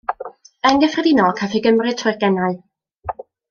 Yn gyffredinol caiff ei gymryd trwy'r genau.